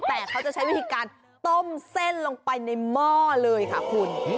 แต่เขาจะใช้วิธีการต้มเส้นลงไปในหม้อเลยค่ะคุณ